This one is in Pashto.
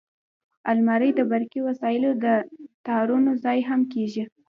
الماري د برقي وسایلو د تارونو ځای هم کېږي